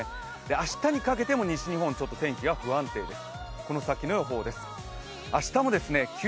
明日にかけても西日本、ちょっと天気が不安定です。